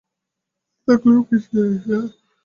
আর থাকলেও কিছু যায় আসে না।